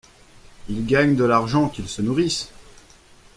Il gagne de l’argent, qu’il se nourrisse.